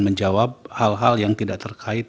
menjawab hal hal yang tidak terkait